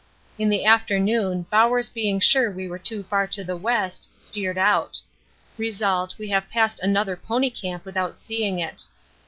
In the afternoon, Bowers being sure we were too far to the west, steered out. Result, we have passed another pony camp without seeing it.